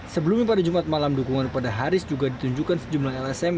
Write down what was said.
sebelumnya pada jumat malam dukungan pada haris juga ditunjukkan sejumlah lsm